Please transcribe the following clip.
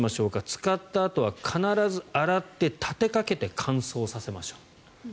使ったあとは必ず使って立てかけて乾燥させましょう。